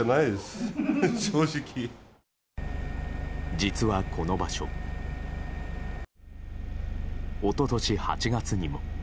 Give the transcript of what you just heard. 実は、この場所一昨年８月にも。